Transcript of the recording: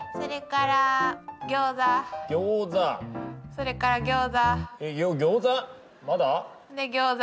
それからギョーザ。